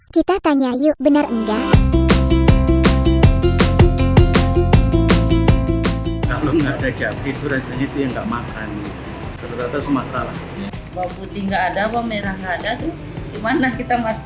kita tanya yuk benar nggak